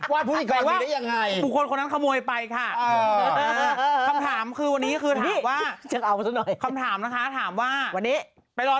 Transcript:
ว่าภพิธิกรนี้ได้ยังไง